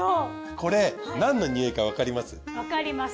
これ何の匂いかわかります？